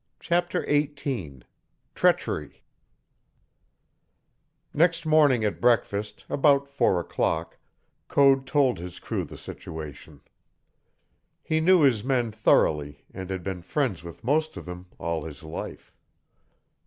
CHAPTER XVIII TREACHERY Next morning at breakfast, about four o'clock, Code told his crew the situation. He knew his men thoroughly and had been friends with most of them all his life.